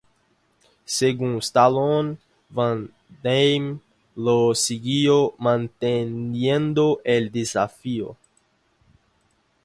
Según Stallone, Van Damme lo siguió manteniendo el desafío.